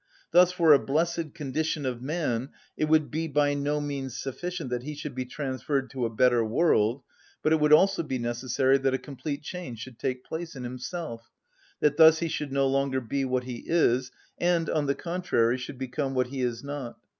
Thus for a blessed condition of man it would be by no means sufficient that he should be transferred to a "better world," but it would also be necessary that a complete change should take place in himself; that thus he should no longer be what he is, and, on the contrary, should become what he is not.